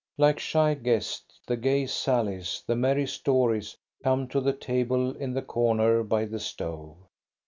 Like shy guests the gay sallies, the merry stories come to the table in the corner by the stove.